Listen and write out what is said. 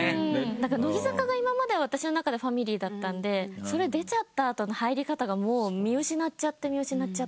乃木坂が今まで私の中でファミリーだったんでそれ出ちゃった後の入り方がもう見失っちゃって見失っちゃって。